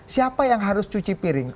siapa yang harus cuci piring